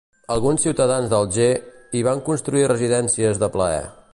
Alguns ciutadans d'Alger hi van construir residències de plaer.